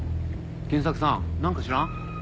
賢作さんなんか知らん？